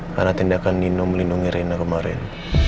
karena tindakan nino melindungi rena kemarin